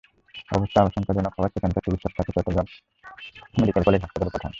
অবস্থা আশঙ্কাজনক হওয়ায় সেখানকার চিকিৎসক তাঁকে চট্টগ্রাম মেডিকেল কলেজ হাসপাতালে পাঠান।